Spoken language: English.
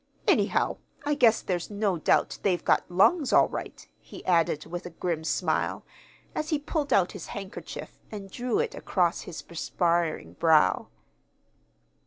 Anyhow, I guess there's no doubt they've got lungs all right," he added, with a grim smile, as he pulled out his handkerchief and drew it across his perspiring brow.